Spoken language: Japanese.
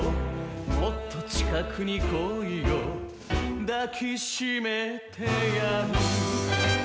「もっと近くに来いよ抱きしめてやる」